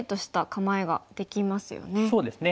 そうですね。